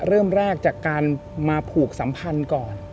เริ่มแรกจากการมาผูกสัมพันธ์ก่อน